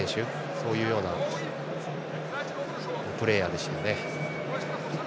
そういうようなプレーヤーでした。